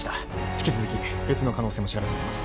引き続き別の可能性も調べさせます